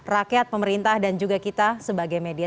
rakyat pemerintah dan juga kita sebagai media